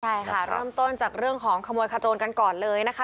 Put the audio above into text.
ใช่ค่ะเริ่มต้นจากเรื่องของขโมยขโจนกันก่อนเลยนะคะ